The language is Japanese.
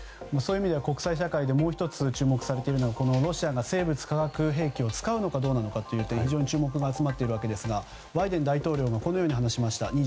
そういう意味では国際社会でもう１つ注目されているのはロシアが生物・化学兵器を使うのかどうなのかという点に非常に注目が集まっていますがバイデン大統領はこう話しました。